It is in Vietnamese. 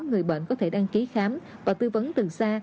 người bệnh có thể đăng ký khám và tư vấn từ xa